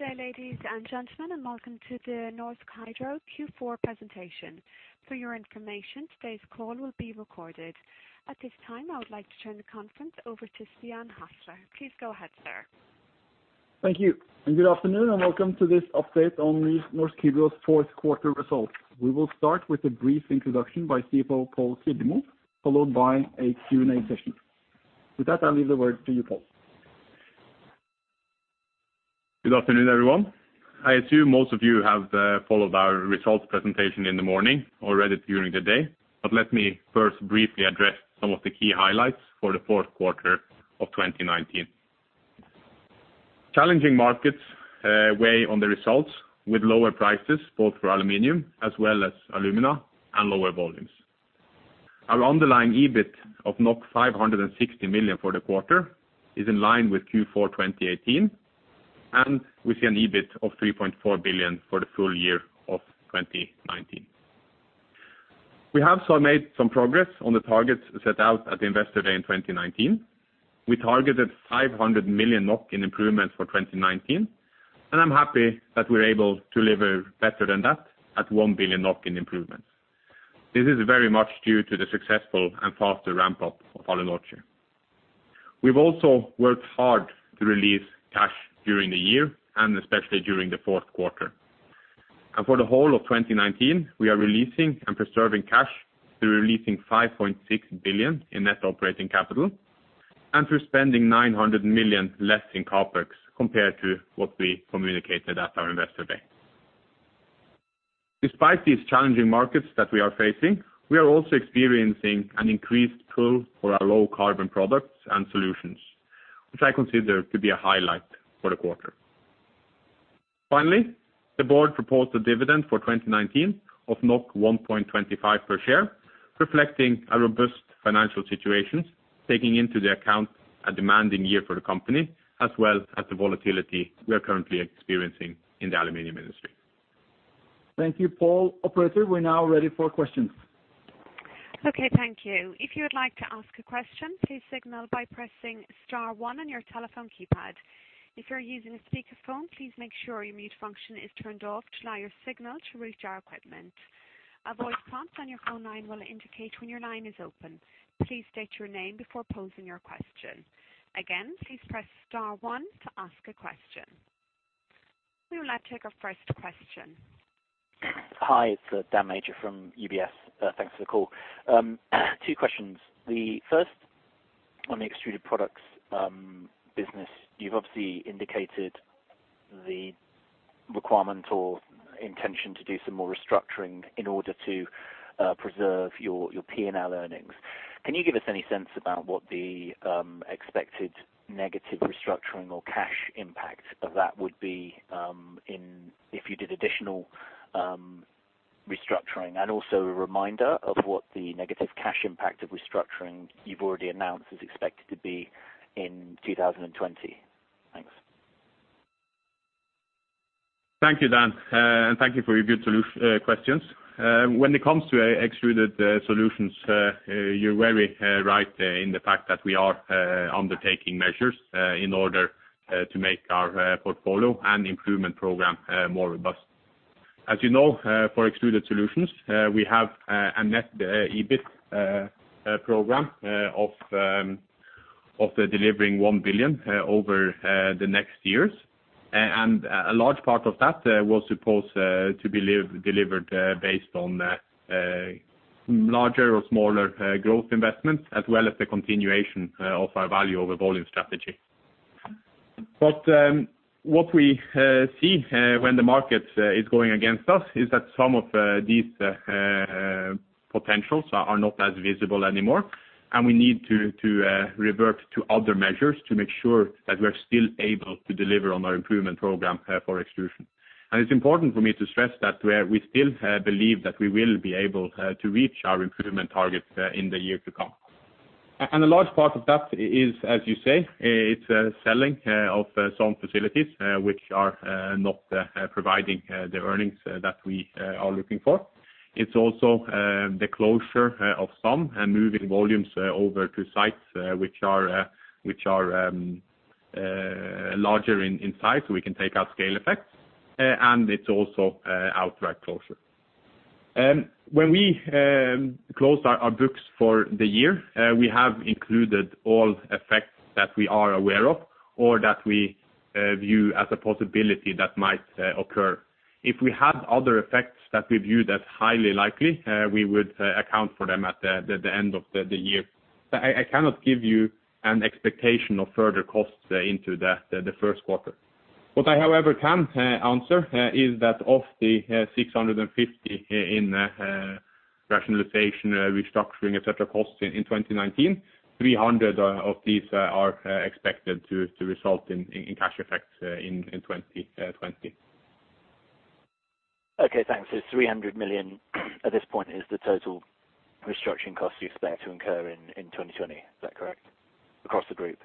Good day, ladies and gentlemen, and welcome to the Norsk Hydro Q4 Presentation. For your information, today's call will be recorded. At this time, I would like to turn the conference over to Stian Hasle. Please go ahead, sir. Thank you. Good afternoon, and welcome to this update on the Norsk Hydro's fourth quarter results. We will start with a brief introduction by CFO, Pål Kildemo, followed by a Q&A session. With that, I leave the word to you, Pål. Good afternoon, everyone. I assume most of you have followed our results presentation in the morning already during the day, but let me first briefly address some of the key highlights for the fourth quarter of 2019. Challenging markets weigh on the results with lower prices, both for aluminum as well as alumina, and lower volumes. Our underlying EBIT of 560 million for the quarter is in line with Q4 2018, and we see an EBIT of 3.4 billion for the full year of 2019. We have also made some progress on the targets set out at the Investor Day in 2019. We targeted 500 million NOK in improvements for 2019, and I'm happy that we're able to deliver better than that at 1 billion in improvements. This is very much due to the successful and faster ramp-up of Alunorte. We've also worked hard to release cash during the year and especially during the fourth quarter. For the whole of 2019, we are releasing and preserving cash through releasing 5.6 billion in net operating capital and through spending 900 million less in CapEx compared to what we communicated at our Investor Day. Despite these challenging markets that we are facing, we are also experiencing an increased pull for our low-carbon products and solutions, which I consider to be a highlight for the quarter. Finally, the board proposed a dividend for 2019 of 1.25 per share, reflecting a robust financial situation, taking into account a demanding year for the company, as well as the volatility we are currently experiencing in the aluminum industry. Thank you, Pål. Operator, we are now ready for questions. Okay. Thank you. If you would like to ask a question, please signal by pressing star one on your telephone keypad. If you're using a speakerphone, please make sure your mute function is turned off to allow your signal to reach our equipment. A voice prompt on your phone line will indicate when your line is open. Please state your name before posing your question. Again, please press star one to ask a question. We will now take our first question. Hi, it's Dan Major from UBS. Thanks for the call. Two questions. The first on the extruded products business. You've obviously indicated the requirement or intention to do some more restructuring in order to preserve your P&L earnings. Can you give us any sense about what the expected negative restructuring or cash impact of that would be if you did additional restructuring? Also, a reminder of what the negative cash impact of restructuring you've already announced is expected to be in 2020. Thanks. Thank you, Dan, and thank you for your good questions. When it comes to Extruded Solutions, you're very right in the fact that we are undertaking measures in order to make our portfolio and improvement program more robust. As you know, for Extruded Solutions, we have a net EBIT program of delivering 1 billion over the next years. A large part of that was supposed to be delivered based on larger or smaller growth investments, as well as the continuation of our value over volume strategy. What we see when the market is going against us is that some of these potentials are not as visible anymore, and we need to revert to other measures to make sure that we're still able to deliver on our improvement program for extrusion. It's important for me to stress that we still believe that we will be able to reach our improvement targets in the year to come. A large part of that is, as you say, it's selling of some facilities, which are not providing the earnings that we are looking for. It's also the closure of some and moving volumes over to sites which are larger in size, so we can take out scale effects, and it's also outright closure. When we close our books for the year, we have included all effects that we are aware of or that we view as a possibility that might occur. If we had other effects that we view as highly likely, we would account for them at the end of the year. I cannot give you an expectation of further costs into the first quarter. What I, however, can answer is that of the 650 million in rationalization, restructuring, et cetera, costs in 2019, 300 million of these are expected to result in cash effects in 2020. Okay, thanks. 300 million at this point is the total restructuring cost you expect to incur in 2020. Is that correct? Across the group?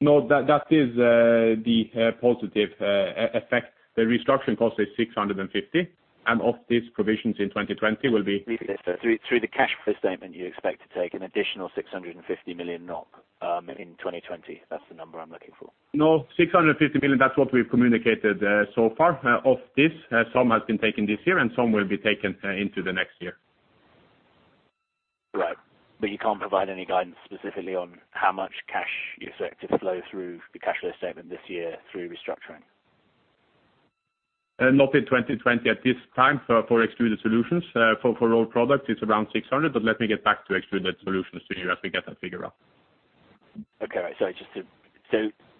No, that is the positive effect. The restructuring cost is 650 million, and of these provisions in 2020 will be. Let me say it this way. Through the cash flow statement, you expect to take an additional 650 million NOK in 2020. That's the number I'm looking for. 650 million, that's what we've communicated so far. Of this, some has been taken this year, and some will be taken into the next year. Right. But you can't provide any guidance specifically on how much cash you expect to flow through the cash flow statement this year through restructuring? Not in 2020 at this time for Extruded Solutions. For Rolled Products, it's around 600 million, but let me get back to Extruded Solutions to you as we get that figure out. Okay.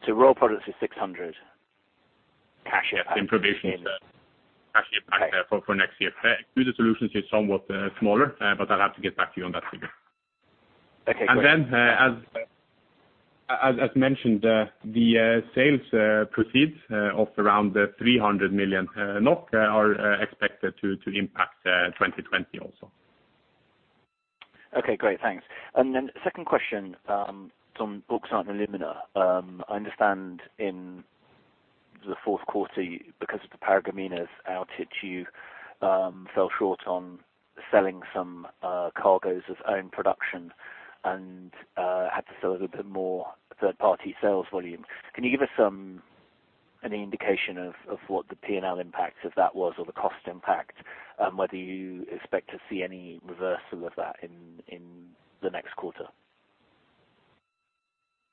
Rolled Products is 600 million cash impact in. Yes, in provisions. Cash impact- Okay. for next year. Extruded Solutions is somewhat smaller, but I'll have to get back to you on that figure. Okay, great. As mentioned, the sales proceeds of around 300 million NOK are expected to impact 2020 also. Okay, great. Thanks. Second question, on Bauxite & Alumina. I understand in the fourth quarter, because of the Paragominas outage, you fell short on selling some cargoes of own production and had to sell a little bit more third-party sales volume. Can you give us any indication of what the P&L impact of that was, or the cost impact, and whether you expect to see any reversal of that in the next quarter?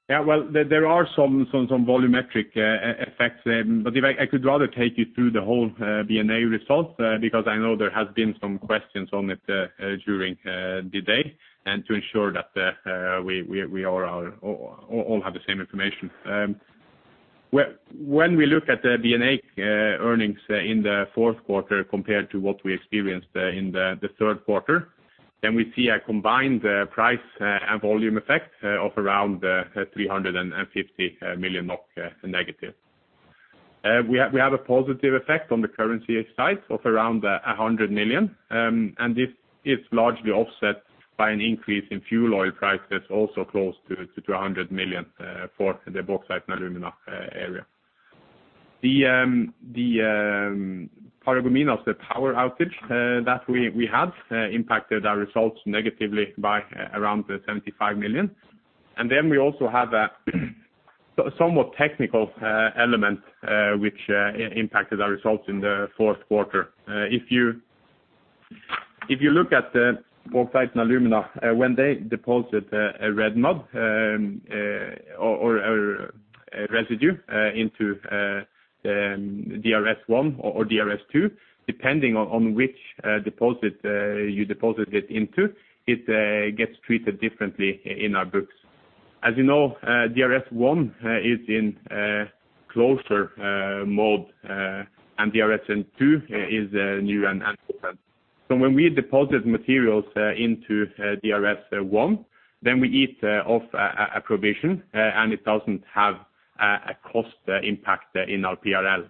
There are some volumetric effects there, but I could rather take you through the whole B&A results, because I know there has been some questions on it during the day, and to ensure that we all have the same information. When we look at the B&A earnings in the fourth quarter compared to what we experienced in the third quarter, then we see a combined price and volume effect of around 350 million NOK negative. We have a positive effect on the currency side of around 100 million, and this is largely offset by an increase in fuel oil prices also close to 100 million for the Bauxite & Alumina area. The Paragominas, the power outage that we had impacted our results negatively by around 75 million. We also had a somewhat technical element, which impacted our results in the fourth quarter. If you look at Bauxite & Alumina, when they deposit a red mud or a residue into DRS1 or DRS2, depending on which deposit you deposit it into, it gets treated differently in our books. As you know DRS1 is in closer mode and DRS2 is new and open. When we deposit materials into DRS1, then we eat off a provision, and it doesn't have a cost impact in our P&L.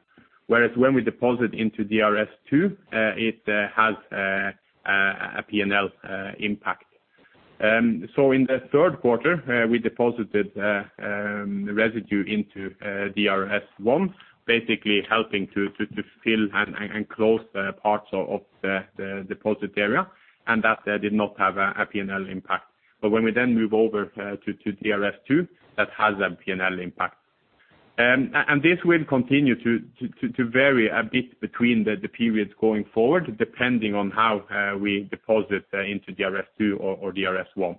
Whereas when we deposit into DRS2, it has a P&L impact. In the third quarter, we deposited residue into DRS1, basically helping to fill and close parts of the deposit area, and that did not have a P&L impact. When we then move over to DRS2, that has a P&L impact. This will continue to vary a bit between the periods going forward, depending on how we deposit into DRS2 or DRS1.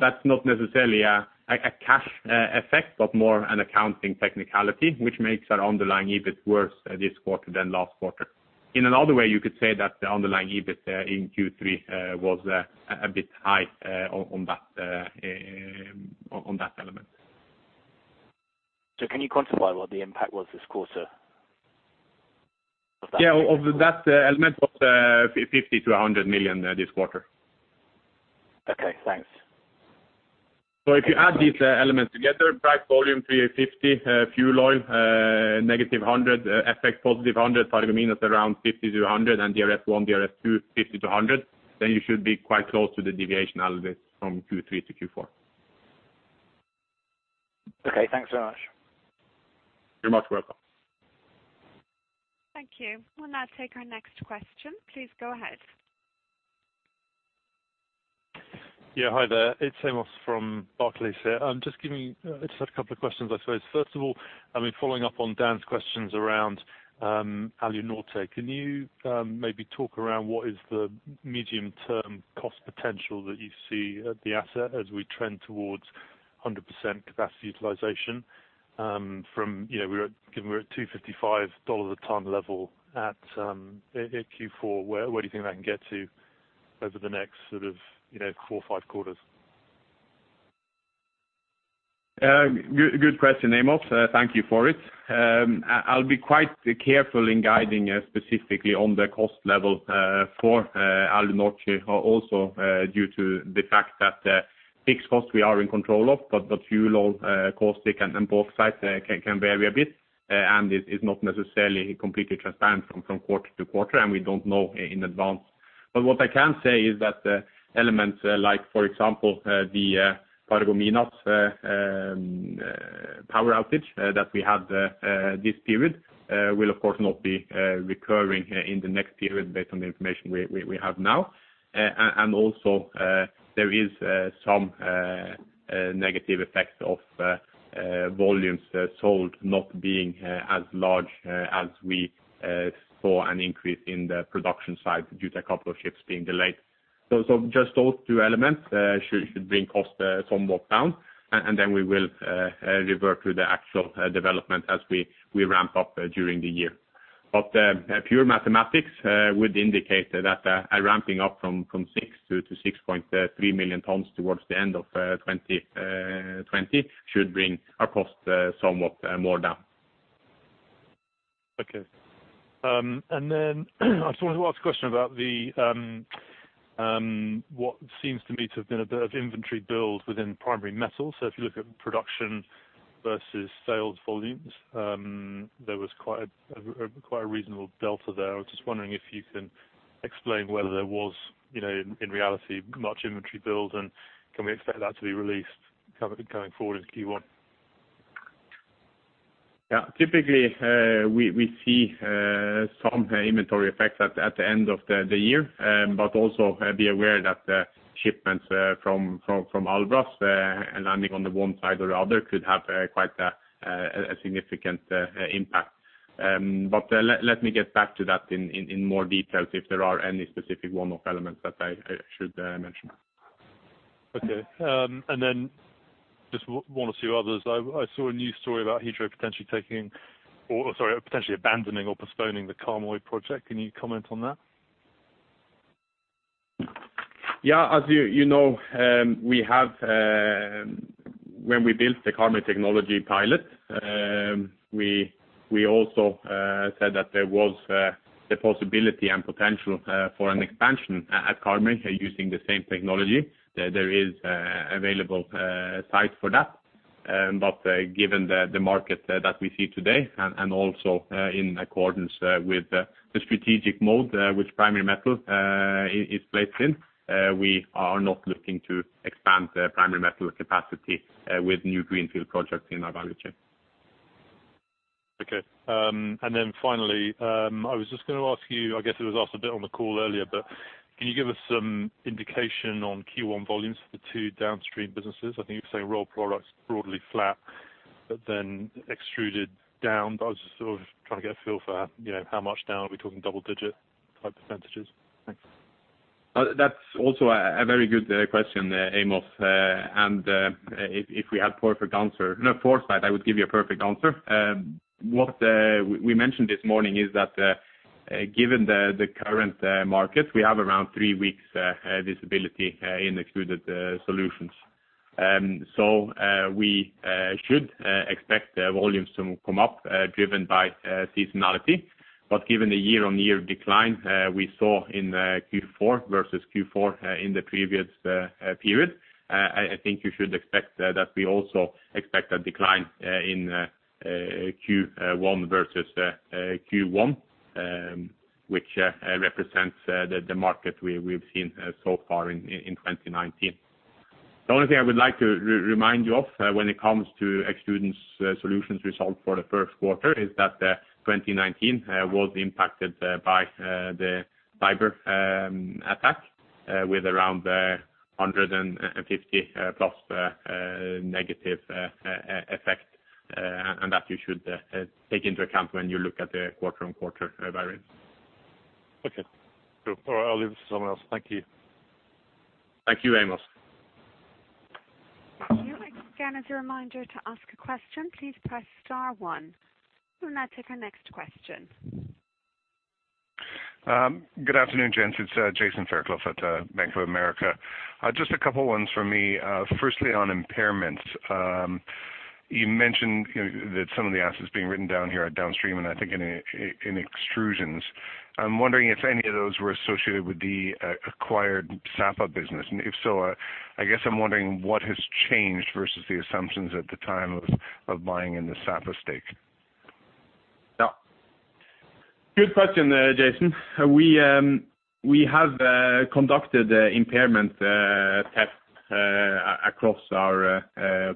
That's not necessarily a cash effect, but more an accounting technicality, which makes our underlying EBIT worse this quarter than last quarter. In another way, you could say that the underlying EBIT in Q3 was a bit high on that element. Can you quantify what the impact was this quarter? Yeah, of that element, it was 50 million-100 million this quarter. Okay, thanks. If you add these elements together, price volume 350, fuel oil -100, FX +100, Paragominas around 50 to 100, and DRS1, DRS2 50 to 100, then you should be quite close to the deviation analysis from Q3 to Q4. Okay, thanks so much. You're much welcome. Thank you. We'll now take our next question. Please go ahead. Hi there. It's Amos from Barclays here. I just had a couple of questions, I suppose. First of all, following up on Dan's questions around Alunorte. Can you maybe talk around what is the medium-term cost potential that you see at the asset as we trend towards 100% capacity utilization? Given we're at $255 a ton level at Q4, where do you think that can get to over the next four or five quarters? Good question, Amos. Thank you for it. I'll be quite careful in guiding specifically on the cost level for Alunorte, also due to the fact that fixed costs we are in control of, but fuel oil, caustic, and bauxite can vary a bit, and it is not necessarily completely transparent from quarter to quarter, and we don't know in advance. What I can say is that elements like, for example, the Paragominas power outage that we had this period will, of course, not be recurring in the next period based on the information we have now. Also there is some negative effects of volumes sold not being as large as we saw an increase in the production side due to a couple of ships being delayed. Just those two elements should bring cost somewhat down, and then we will revert to the actual development as we ramp up during the year. But pure mathematics would indicate that a ramping up from 6 million tons to 6.3 million tons towards the end of 2020 should bring our cost somewhat more down. Okay. I just wanted to ask a question about what seems to me to have been a bit of inventory build within Primary Metal. If you look at production versus sales volumes, there was quite a reasonable delta there. I was just wondering if you can explain whether there was, in reality, much inventory build, and can we expect that to be released going forward into Q1? Yeah. Typically, we see some inventory effects at the end of the year. Also be aware that shipments from Albras landing on the one side or other could have quite a significant impact. Let me get back to that in more details if there are any specific one-off elements that I should mention. Okay. Just one or two others. I saw a new story about Hydro potentially abandoning or postponing the Karmøy project. Can you comment on that? Yeah. As you know, when we built the Karmøy technology pilot, we also said that there was the possibility and potential for an expansion at Karmøy using the same technology. There is available site for that. Given the market that we see today, and also, in accordance with the strategic mode which Primary Metal is placed in, we are not looking to expand the Primary Metal capacity with new greenfield projects in our value chain. Okay. Finally, I was just going to ask you, I guess it was asked a bit on the call earlier, but can you give us some indication on Q1 volumes for the two downstream businesses? I think you were saying Rolled Products broadly flat, but then Extruded down. I was just sort of trying to get a feel for how much down. Are we talking double digit type percentages? Thanks. That's also a very good question, Amos. If we had enough foresight, I would give you a perfect answer. What we mentioned this morning is that given the current market, we have around three weeks visibility in Extruded Solutions. We should expect volumes to come up driven by seasonality. Given the year-on-year decline we saw in Q4 versus Q4 in the previous period, I think you should expect that we also expect a decline in Q1 versus Q1, which represents the market we've seen so far in 2019. The only thing I would like to remind you of when it comes to Extruded Solutions result for the first quarter is that 2019 was impacted by the cyber attack with around 150 million negative effect, and that you should take into account when you look at the quarter-on-quarter variance. Okay, cool. All right, I'll leave it to someone else. Thank you. Thank you, Amos. Thank you. Again, as a reminder to ask a question, please press star one. We'll now take our next question. Good afternoon, gents. It's Jason Fairclough at Bank of America. Just a couple ones from me. Firstly, on impairments. You mentioned that some of the assets being written down here are downstream and I think in Extrusions. I'm wondering if any of those were associated with the acquired Sapa business. If so, I guess I'm wondering what has changed versus the assumptions at the time of buying in the Sapa stake. Yeah. Good question, Jason. We have conducted impairment tests across our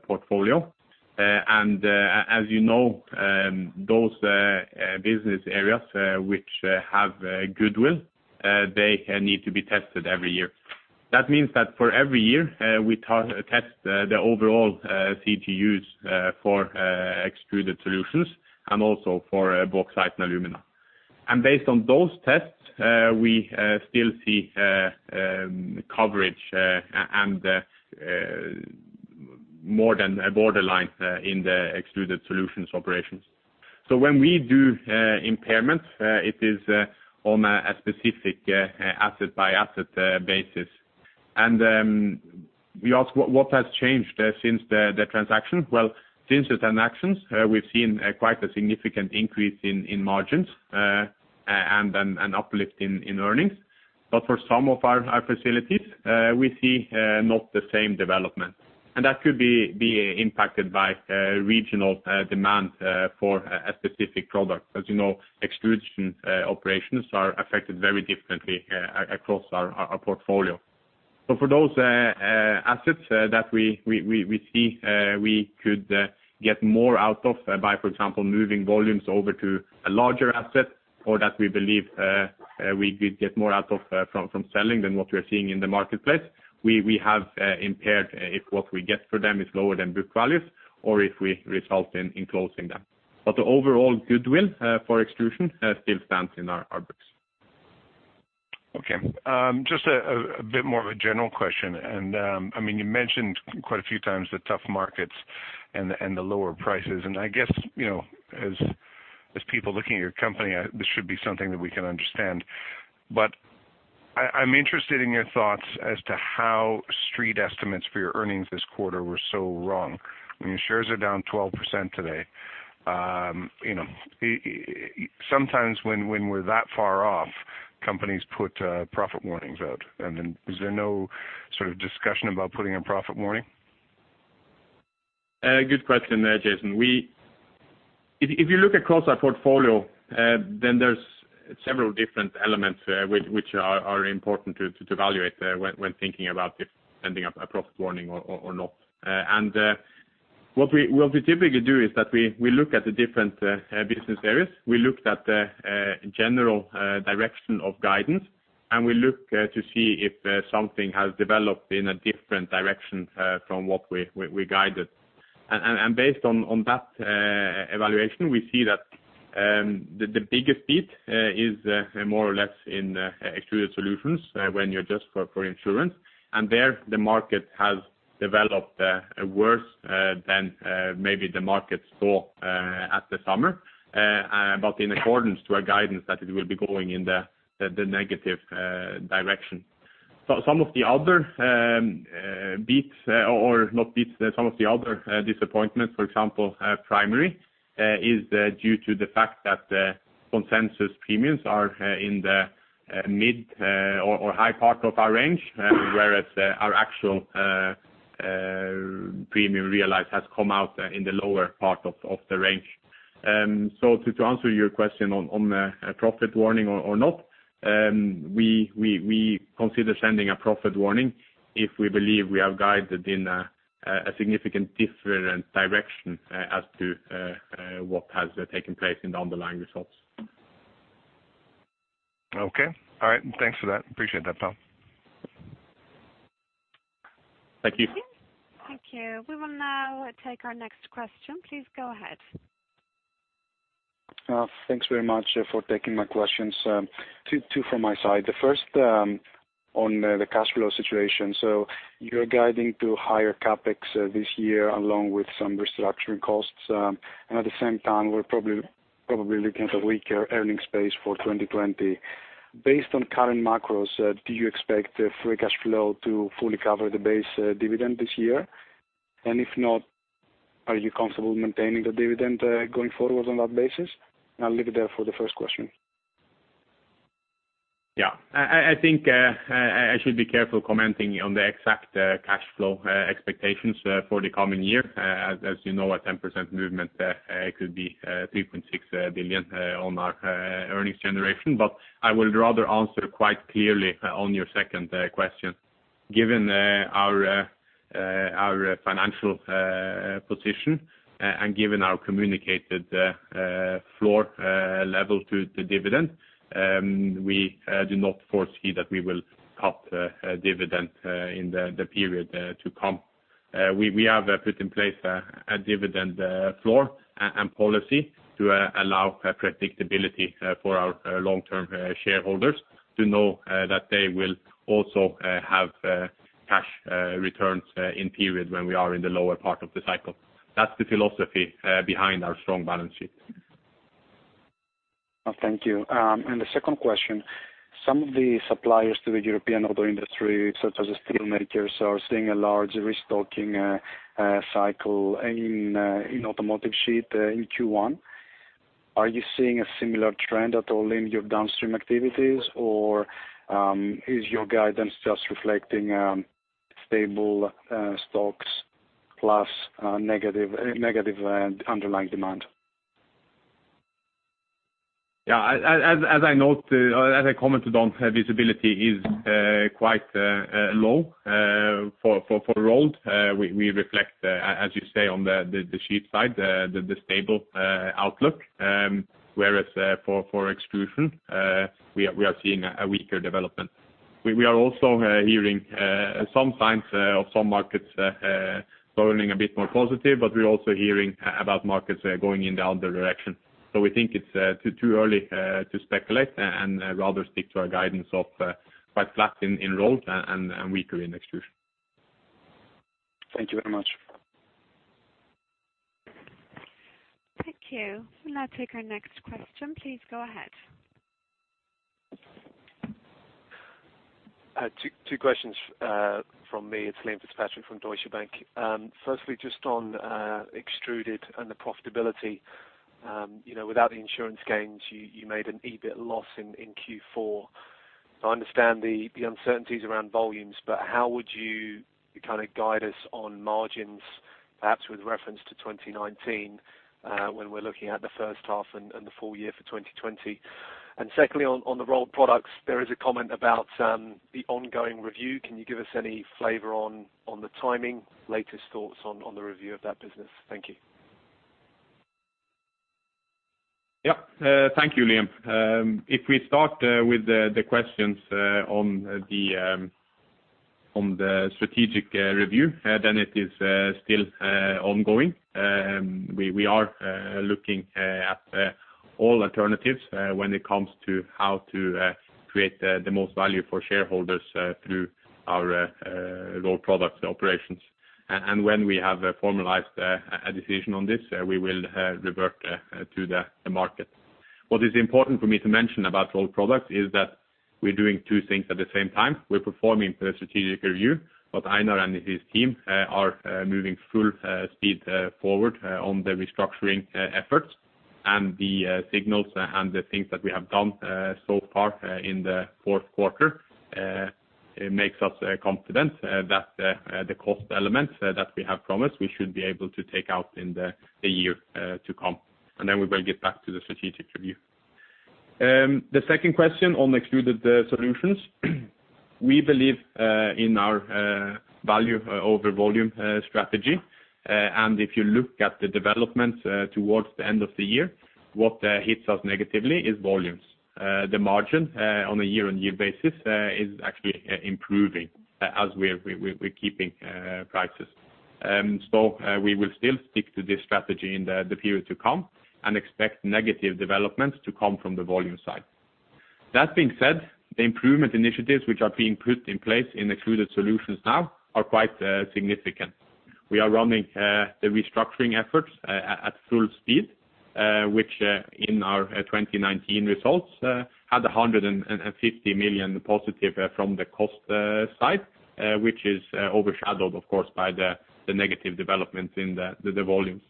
portfolio. As you know, those business areas which have goodwill, they need to be tested every year. That means that for every year, we test the overall CGUs for Extruded Solutions and also for Bauxite & Alumina. Based on those tests, we still see coverage and more than borderline in the Extruded Solutions operations. When we do impairments, it is on a specific asset-by-asset basis. You ask what has changed since the transaction. Well, since the transactions, we've seen quite a significant increase in margins, and an uplift in earnings. For some of our facilities, we see not the same development. That could be impacted by regional demand for a specific product. As you know, Extruded Solutions operations are affected very differently across our portfolio. For those assets that we see we could get more out of by, for example, moving volumes over to a larger asset or that we believe we could get more out of from selling than what we're seeing in the marketplace. We have impaired if what we get for them is lower than book values or if we result in closing them. The overall goodwill for Extruded Solutions still stands in our books. Okay. Just a bit more of a general question. You mentioned quite a few times the tough markets and the lower prices, and I guess as people looking at your company, this should be something that we can understand. I'm interested in your thoughts as to how street estimates for your earnings this quarter were so wrong. Your shares are down 12% today. Sometimes when we're that far off, companies put profit warnings out. Is there no sort of discussion about putting a profit warning? Good question there, Jason. If you look across our portfolio, there's several different elements which are important to evaluate when thinking about if sending up a profit warning or not. What we typically do is that we look at the different business areas. We looked at the general direction of guidance, and we look to see if something has developed in a different direction from what we guided. Based on that evaluation, we see that the biggest beat is more or less in Extruded Solutions when you adjust for insurance. There the market has developed worse than maybe the market saw at the summer, but in accordance to our guidance that it will be going in the negative direction. Some of the other beats or not beats, some of the other disappointments, for example, Primary is due to the fact that consensus premiums are in the mid or high part of our range, whereas our actual premium realized has come out in the lower part of the range. To answer your question on a profit warning or not, we consider sending a profit warning if we believe we have guided in a significant different direction as to what has taken place in the underlying results. Okay. All right. Thanks for that. Appreciate that, Pål. Thank you. Thank you. We will now take our next question. Please go ahead. Thanks very much for taking my questions. Two from my side. The first on the cash flow situation. You're guiding to higher CapEx this year along with some restructuring costs. At the same time, we're probably looking at weaker earnings pace for 2020. Based on current macros, do you expect free cash flow to fully cover the base dividend this year? If not, are you comfortable maintaining the dividend going forwards on that basis? I'll leave it there for the first question. Yeah. I think I should be careful commenting on the exact cash flow expectations for the coming year. As you know, a 10% movement could be 3.6 billion on our earnings generation. I would rather answer quite clearly on your second question. Given our financial position and given our communicated floor level to dividend, we do not foresee that we will cut dividend in the period to come. We have put in place a dividend floor and policy to allow predictability for our long-term shareholders to know that they will also have cash returns in periods when we are in the lower part of the cycle. That's the philosophy behind our strong balance sheet. Thank you. The second question. Some of the suppliers to the European auto industry, such as steel makers, are seeing a large restocking cycle in automotive sheet in Q1. Are you seeing a similar trend at all in your downstream activities, or is your guidance just reflecting stable stocks plus negative underlying demand? Yeah. As I commented on, visibility is quite low for Rolled. We reflect, as you say, on the sheet side, the stable outlook, whereas for Extrusion, we are seeing a weaker development. We are also hearing some signs of some markets going a bit more positive, but we are also hearing about markets going in the other direction. We think it's too early to speculate and rather stick to our guidance of quite flat in Rolled and weaker in Extrusion. Thank you very much. Thank you. We'll now take our next question. Please go ahead. Two questions from me. It's Liam Fitzpatrick from Deutsche Bank. Firstly, just on Extruded and the profitability. Without the insurance gains, you made an EBIT loss in Q4. I understand the uncertainties around volumes, how would you kind of guide us on margins? Perhaps with reference to 2019, when we're looking at the first half and the full year for 2020. Secondly, on the Rolled Products, there is a comment about the ongoing review. Can you give us any flavor on the timing, latest thoughts on the review of that business? Thank you. Thank you, Liam. If we start with the questions on the strategic review, it is still ongoing. We are looking at all alternatives when it comes to how to create the most value for shareholders through our Rolled Products operations. When we have formalized a decision on this, we will revert to the market. What is important for me to mention about Rolled Products is that we're doing two things at the same time. We're performing the strategic review, Einar and his team are moving full speed forward on the restructuring efforts. The signals and the things that we have done so far in the fourth quarter, makes us confident that the cost elements that we have promised, we should be able to take out in the year to come. We will get back to the strategic review. The second question on Extruded Solutions. We believe in our value over volume strategy. If you look at the development towards the end of the year, what hits us negatively is volumes. The margin on a year-on-year basis is actually improving as we're keeping prices. We will still stick to this strategy in the period to come and expect negative developments to come from the volume side. That being said, the improvement initiatives which are being put in place in Extruded Solutions now are quite significant. We are running the restructuring efforts at full speed, which, in our 2019 results, had 150 million positive from the cost side, which is overshadowed of course, by the negative developments in the volumes.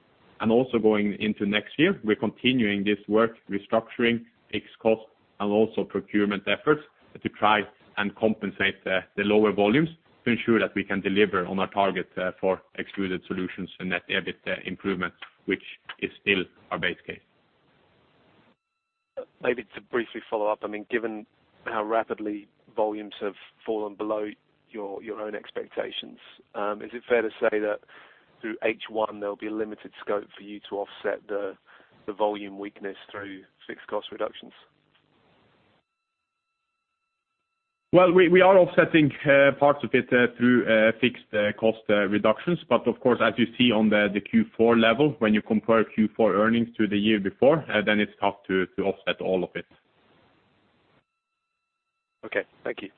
Also going into next year, we're continuing this work restructuring fixed cost and also procurement efforts to try and compensate the lower volumes to ensure that we can deliver on our target for Extruded Solutions and net EBIT improvement, which is still our base case. Maybe to briefly follow up, given how rapidly volumes have fallen below your own expectations, is it fair to say that through H1, there'll be a limited scope for you to offset the volume weakness through fixed cost reductions? Well, we are offsetting parts of it through fixed cost reductions, but of course, as you see on the Q4 level, when you compare Q4 earnings to the year before, then it's tough to offset all of it. Okay. Thank you.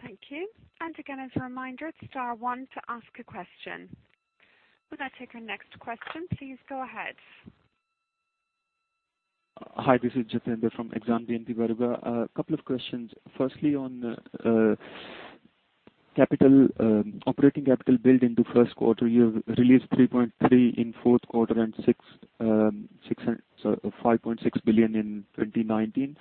Thank you. Again, as a reminder, star one to ask a question. We will now take our next question. Please go ahead. Hi, this is Jatinder from Exane BNP Paribas. A couple of questions. Firstly, on operating capital build into first quarter. You've released 3.3 billion in fourth quarter and 5.6 billion in 2019.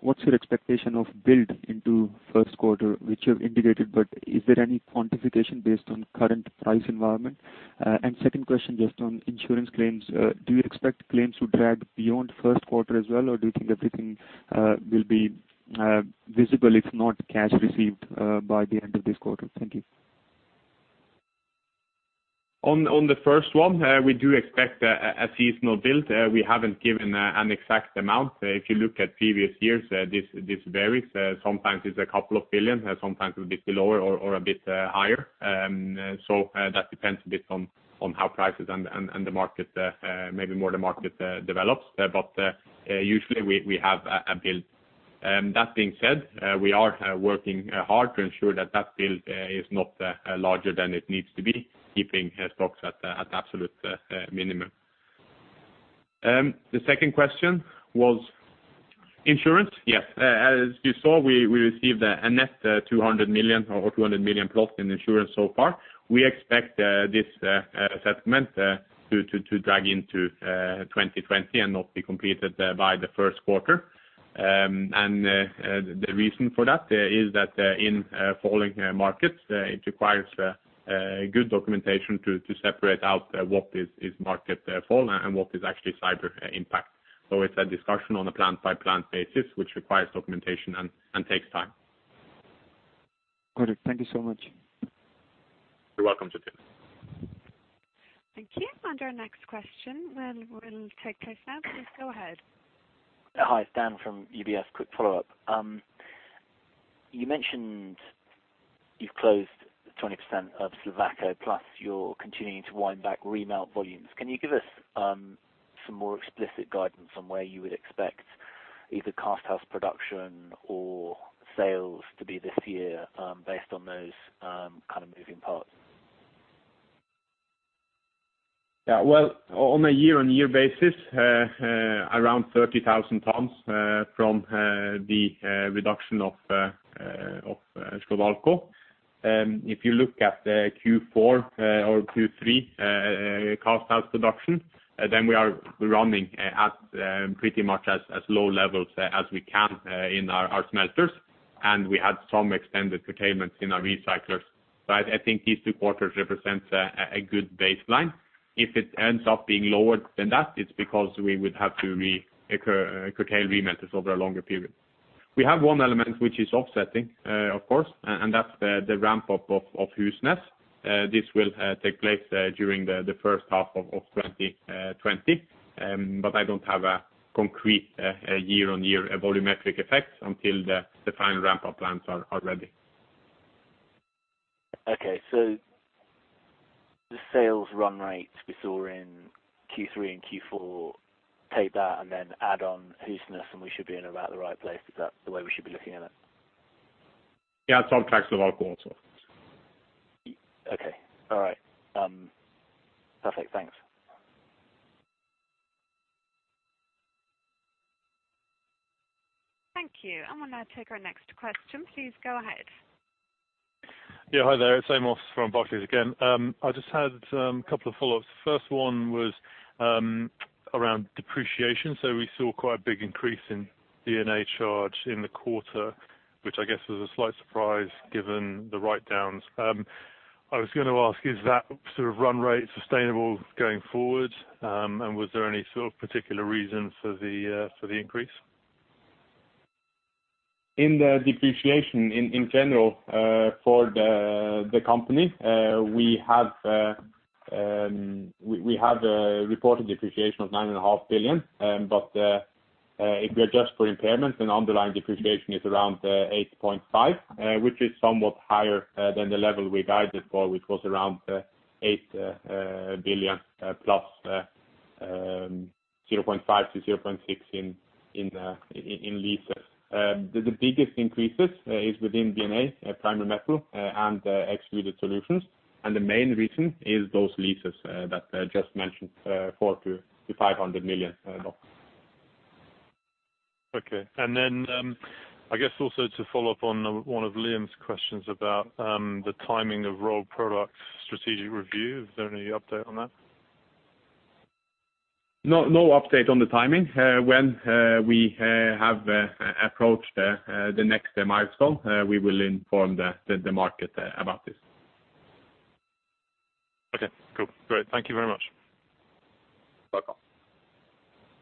What's your expectation of build into first quarter, which you have indicated, but is there any quantification based on current price environment? Second question, just on insurance claims. Do you expect claims to drag beyond first quarter as well, or do you think everything will be visible if not cash received by the end of this quarter? Thank you. On the first one, we do expect a seasonal build. We haven't given an exact amount. If you look at previous years, this varies. Sometimes it's a couple of billion, sometimes a bit lower or a bit higher. That depends a bit on how prices and the market, maybe more the market develops. Usually, we have a build. That being said, we are working hard to ensure that build is not larger than it needs to be, keeping stocks at the absolute minimum. The second question was insurance. Yes. As you saw, we received a net 200 million or 200+ million in insurance so far. We expect this settlement to drag into 2020 and not be completed by the first quarter. The reason for that is that in falling markets, it requires good documentation to separate out what is market fall and what is actually cyber impact. It's a discussion on a plant-by-plant basis, which requires documentation and takes time. Got it. Thank you so much. You're welcome, Jatinder. Thank you. Our next question will take place now. Please go ahead. Hi, it's Dan from UBS. Quick follow-up. You mentioned you've closed 20% of Slovalco, plus you're continuing to wind back remelt volumes. Can you give us some more explicit guidance on where you would expect either cast house production or sales to be this year based on those kind of moving parts? Yeah. On a year-on-year basis, around 30,000 tons from the reduction of Slovalco. If you look at Q4 or Q3 cast house production, then we are running at pretty much as low levels as we can in our smelters. We had some extended curtailments in our recyclers. I think these two quarters represent a good baseline. If it ends up being lower than that, it's because we would have to curtail remelters over a longer period. We have one element, which is offsetting, of course, and that's the ramp-up of Husnes. This will take place during the first half of 2020. I don't have a concrete year-on-year volumetric effect until the final ramp-up plans are ready. Okay. The sales run rate we saw in Q3 and Q4, take that and then add on Husnes, and we should be in about the right place. Is that the way we should be looking at it? Yeah. Subtract the volatile. Okay. All right. Perfect. Thanks. Thank you. We'll now take our next question. Please go ahead. Yeah. Hi there. It's Amos from Barclays again. I just had a couple of follow-ups. First one was around depreciation. We saw quite a big increase in B&A charge in the quarter, which I guess was a slight surprise given the write-downs. I was going to ask, is that sort of run rate sustainable going forward? Was there any sort of particular reason for the increase? In the depreciation in general for the company, we have a reported depreciation of 9.5 billion, but if you adjust for impairments, then underlying depreciation is around 8.5 billion, which is somewhat higher than the level we guided for, which was around 8 billion + 0.5 billion to 0.6 billion in leases. The biggest increases is within B&A, Primary Metal, and Extruded Solutions. The main reason is those leases that I just mentioned, 400 million to NOK 500 million. Okay. Then, I guess also to follow up on one of Liam's questions about the timing of Rolled Products strategic review. Is there any update on that? No update on the timing. When we have approached the next milestone, we will inform the market about this. Okay, cool. Great. Thank you very much. Bye-bye.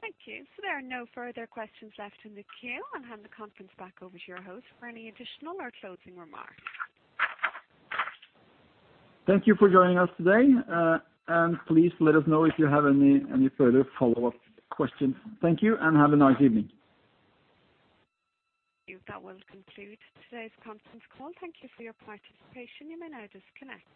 Thank you. There are no further questions left in the queue. I'll hand the conference back over to your host for any additional or closing remarks. Thank you for joining us today, and please let us know if you have any further follow-up questions. Thank you, and have a nice evening. That will conclude today's conference call. Thank you for your participation. You may now disconnect.